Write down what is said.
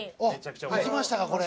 いきましたかこれ。